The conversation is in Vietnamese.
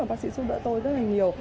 bác sĩ giúp đỡ tôi rất là nhiều